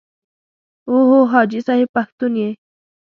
او هو حاجي صاحب پښتون یې.